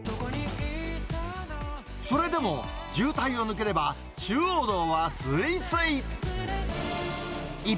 それでも、渋滞を抜ければ、中央道はすいすい。